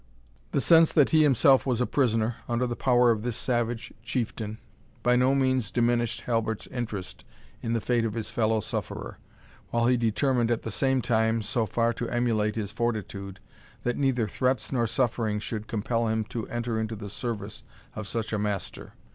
The sense that he himself was a prisoner, under the power of this savage chieftain, by no means diminished Halbert's interest in the fate of his fellow sufferer, while he determined at the same time so far to emulate his fortitude, that neither threats nor suffering should compel him to enter into the service of such a master.